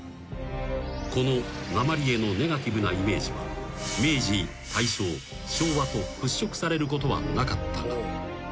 ［このなまりへのネガティブなイメージは明治大正昭和と払拭されることはなかったが］